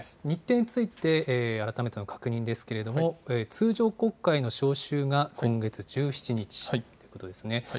日程について改めての確認ですけれども、通常国会の召集が今月１７日ということですね。